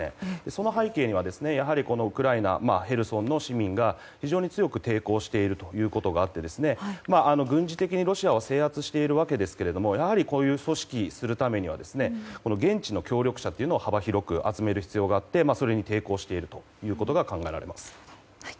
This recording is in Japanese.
その背景には、ウクライナヘルソンの市民が非常に強く抵抗しているということがあって軍事的にロシアは制圧しているわけですけどやはりこういう組織するためには現地の協力者を幅広く集める必要があってそれに抵抗しているということが考えられます。